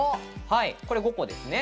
これは５個ですね。